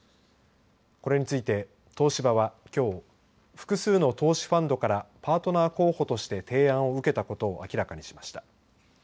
これについて東芝はきょう、複数の投資ファンドからパートナー候補として提案を受けたことを明らかにしました。